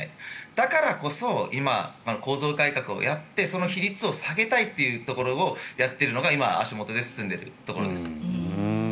だからこそ、今構造改革をやってその比率を下げたいというところをやっているのが今、足元で進んでいるところです。